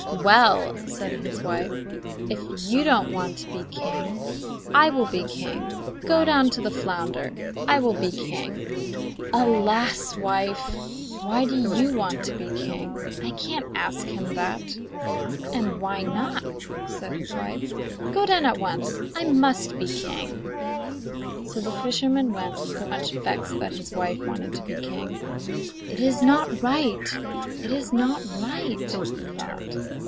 'Well,' said his wife, 'if you don't want to be king, I will be king. Go down to the flounder; I will be king.' 'Alas! wife,' said the fisherman, 'why do you want to be king? I can't ask him that.' 'And why not?' said his wife. 'Go down at once. I must be king.' So the fisherman went, though much vexed that his wife wanted to be king. 'It is not right! It is not right,' he thought.